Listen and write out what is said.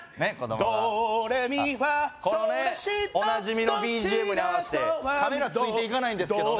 ドレミファソラシこのねおなじみのＢＧＭに合わせてカメラついていかないんですけどね